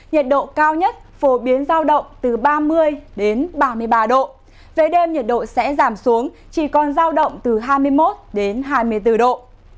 nhiệt độ cao nhất phổ biến giao động từ ba mươi đến ba mươi ba độ về đêm nhiệt độ sẽ giảm xuống chỉ còn giao động từ hai mươi một hai mươi bốn độ